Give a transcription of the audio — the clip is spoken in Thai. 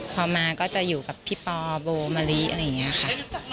พอมาก็จะอยู่กับพี่ปอโบมะลิอะไรอย่างนี้ค่ะ